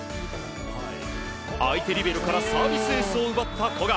相手リベロからサービスエースを奪った古賀。